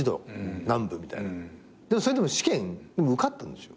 でもそれでも試験受かったんですよ。